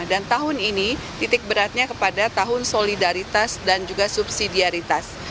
dan tahun ini titik beratnya kepada tahun solidaritas dan juga subsidiaritas